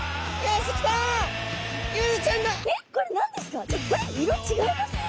えっこれ何ですか？